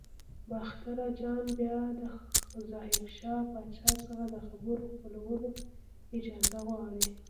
باختر اجان بیا له ظاهر شاه پاچا څخه د خبر خپرولو اجازه غواړي.